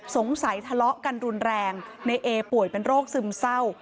ทะเลาะกันรุนแรงในเอป่วยเป็นโรคซึมเศร้า